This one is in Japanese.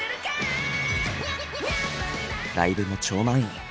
ライブも超満員。